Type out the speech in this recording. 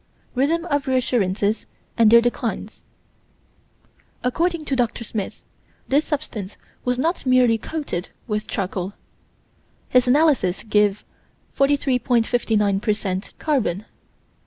Rhythm of reassurances and their declines: According to Dr. Smith, this substance was not merely coated with charcoal; his analysis gives 43.59 per cent carbon.